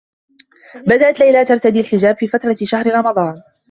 بدأت ليلى ترتدي الحجاب في فترة شهر رمضان.